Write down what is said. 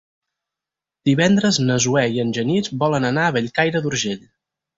Divendres na Zoè i en Genís volen anar a Bellcaire d'Urgell.